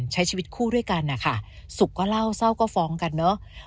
ใช้ชีวิตคู่ด้วยกันนะคะสุขก็เล่าเศร้าก็ฟ้องกันเนอะ